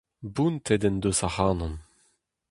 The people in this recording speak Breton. Bountet en deus ac'hanon.